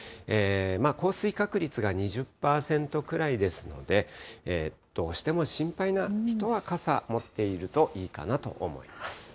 まあ、降水確率が２０％くらいですので、どうしても心配な人は傘持っているといいかなと思います。